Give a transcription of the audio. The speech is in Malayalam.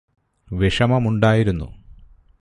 വിഷമമുണ്ടായിരുന്നു